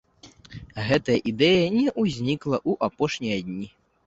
Гэтая ідэя не ўзнікла ў апошнія дні.